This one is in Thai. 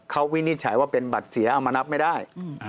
เขาวินิจฉัยว่าเป็นบัตรเสียเอามานับไม่ได้